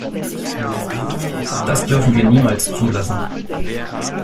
Das dürfen wir niemals zulassen.